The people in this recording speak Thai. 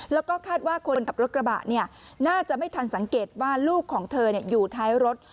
แล้วก็คาดว่าคนขับรถกระบะน่าจะไม่ทันสังเกตว่าลูกของเธออยู่ท้ายรถ